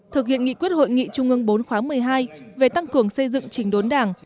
thực hiện nghị quyết hội nghị trung ương bốn khóa một mươi hai về tăng cường xây dựng trình đốn đảng